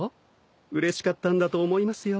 うれしかったんだと思いますよ。